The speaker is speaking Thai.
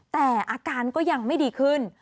แต่อาการก็ยังไม่ดีขึ้น